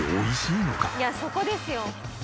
いやそこですよ。